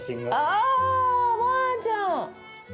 あぁ、おばあちゃん。